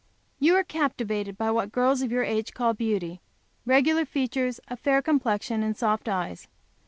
You are captivated by what girls of your age call beauty, regular features, a fair complexion and soft eyes.